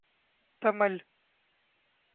Tamil